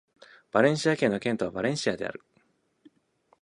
バレンシア県の県都はバレンシアである